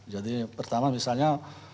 jadi pertama misalnya